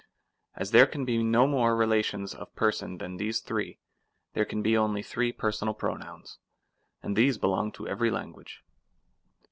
2. As there can be no more relations of person than these three, there can be only three personal pro ] 66 PERSONAL PBOKOTJNS. 34. nouns, and these belong to every language.